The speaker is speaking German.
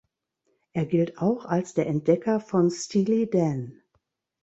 Er gilt auch als der Entdecker von Steely Dan.